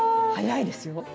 早いですよ。